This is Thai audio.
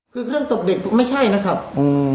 คือเครื่องตกเด็กไม่ใช่นะครับอืม